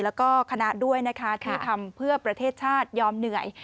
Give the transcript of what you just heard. แล้วก็คณะด้วยนะคะที่ทำเพื่อประเทศชาติยอมเหนื่อย